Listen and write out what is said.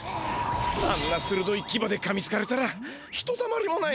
あんなするどいキバでかみつかれたらひとたまりもないな。